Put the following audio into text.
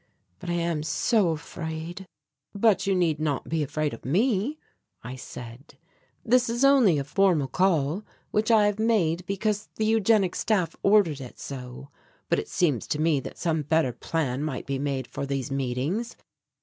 But I am so afraid." "But you need not be afraid of me," I said. "This is only a formal call which I have made because the Eugenic Staff ordered it so. But it seems to me that some better plan might be made for these meetings.